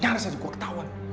nyaris aja gue ketauan